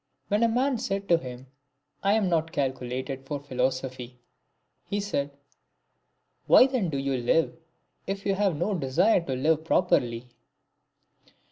" When a man said to ijiim, " I am not calculated for philosophy," he said, "Why then do you live, if you have no desire to live properly?'